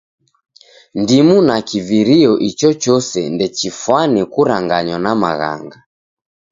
Ndimu na kivirio ichochose ndechifwane kuranganywa na maghanga.